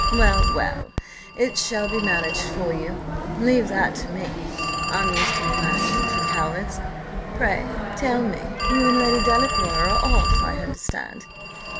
Well, well! it shall be managed for you leave that to me: I'm used to managing for cowards. Pray tell me you and Lady Delacour are off, I understand?